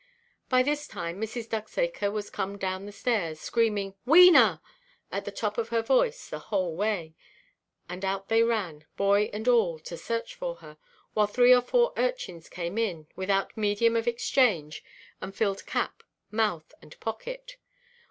By this time, Mrs. Ducksacre was come down the stairs, screaming "Wena!" at the top of her voice the whole way; and out they ran, boy and all, to search for her, while three or four urchins came in, without medium of exchange, and filled cap, mouth, and pocket.